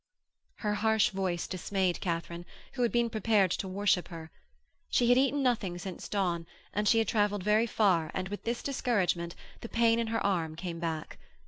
Her harsh voice dismayed Katharine, who had been prepared to worship her. She had eaten nothing since dawn, she had travelled very far and with this discouragement the pain in her arm came back.